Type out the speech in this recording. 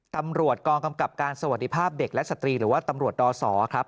ตำรวจกองกำกับการสวัสดีภาพเด็กและสตรีหรือว่าตำรวจดศครับ